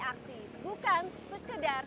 aksi bukan sekedar